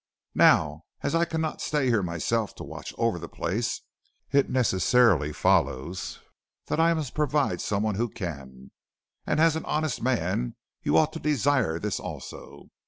Now as I cannot stay here myself to watch over the place, it necessarily follows that I must provide some one who can. And as an honest man you ought to desire this also.